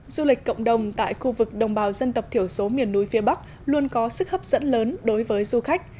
du lịch cộng đồng tại khu vực đồng bào dân tộc thiểu số miền núi phía bắc luôn có sức hấp dẫn lớn đối với du khách